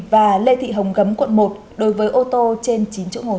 và lê thị hồng gấm quận một đối với ô tô trên chín chỗ ngồi